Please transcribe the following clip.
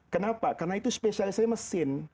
kenapa karena itu spesialisasi mesin ini orang gitu loh